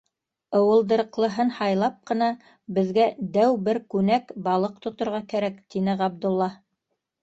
- Ыуылдырыҡлыһын һайлап ҡына беҙгә дәү бер күнәк балыҡ тоторға кәрәк, - тине Ғабдулла.